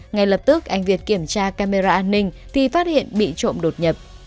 ngay lập tức anh việt kiểm tra camera an ninh thì phát hiện bị trộm đột nhập